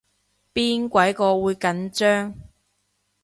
邊鬼個會緊張